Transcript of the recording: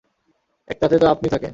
একটাতে তো আপনিই থাকেন।